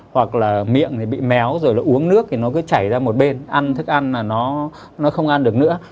hoặc là miệng bị méo rồi uống nước thì nó cứ chảy ra một bên ăn thức ăn mà nó không ăn được nữa